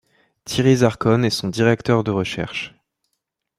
Thierry Zarcone est son directeur de recherche.